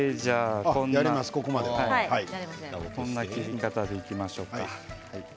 こんな切り方でいきましょうか。